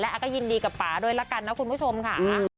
อาก็ยินดีกับป่าด้วยละกันนะคุณผู้ชมค่ะ